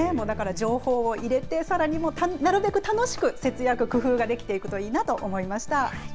だから情報を入れて、さらになるべく楽しく節約、工夫ができていくといいなと思いました。